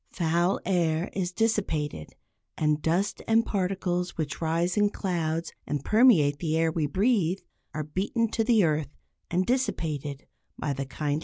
Foul air is dissipated, and dust and particles which rise in clouds and permeate the air we breathe, are beaten to the earth and dissipated by the kindly rain.